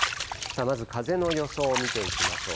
まず風の予想を見ていきましょう。